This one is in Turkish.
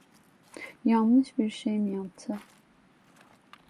Yanlış bir şey mi yaptı?